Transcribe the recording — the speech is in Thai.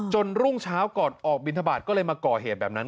รุ่งเช้าก่อนออกบินทบาทก็เลยมาก่อเหตุแบบนั้น